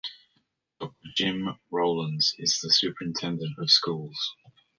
Doctor Jim Rollins is the Superintendent of Schools.